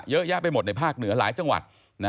เยอะแยะไปหมดในภาคเหนือหลายจังหวัด